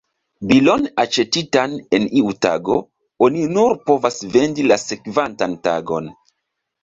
Bilon aĉetitan en iu tago, oni nur povas vendi la sekvantan tagon.